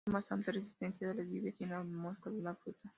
Parecen bastante resistentes a las lluvias y en la mosca de la fruta.